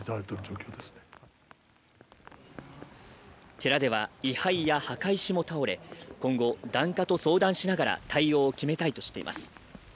寺では位はいや墓石も倒れ今後檀家と相談しながら、対応を決めたいとしています。